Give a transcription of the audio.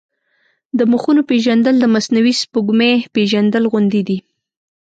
د مخونو پېژندل د مصنوعي سپوږمۍ پېژندل غوندې دي.